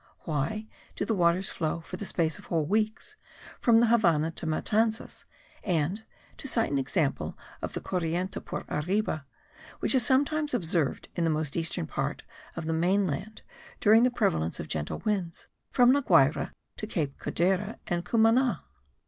Why do the waters flow, for the space of whole weeks, from the Havannah to Matanzas, and (to cite an example of the corriente por arriba, which is sometimes observed in the most eastern part of the main land during the prevalence of gentle winds) from La Guayra to Cape Codera and Cumana?